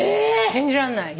信じらんない。